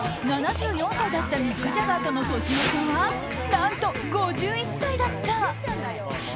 ７４歳だったミック・ジャガーとの年の差は何と５１歳だった。